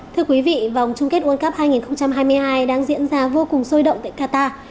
thưa quý vị vòng chung kết world cup hai nghìn hai mươi hai đang diễn ra vô cùng sôi động tại qatar